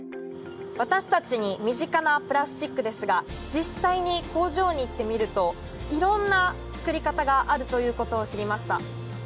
私たちに身近なプラスチックですが実際に工場に行ってみるといろんな作り方があるということを知りました。